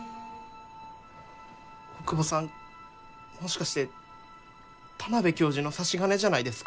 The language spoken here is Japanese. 大窪さんもしかして田邊教授の差し金じゃないですか？